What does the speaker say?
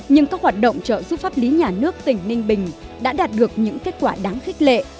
nhưng các hoạt động trợ giúp pháp lý nhà nước tỉnh ninh bình đã đạt được những kết quả đáng khích lệ